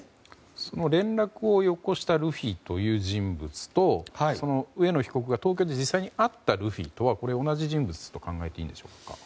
その連絡をよこしたルフィという人物とその上野被告が東京に実際に会ったルフィというのはこれ、同じ人物と考えていいんでしょうか。